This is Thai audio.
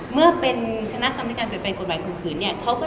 เมื่อเป็นคณะกรรมในการเปลี่ยนแปลงกฎหมายข่มขืนเนี่ย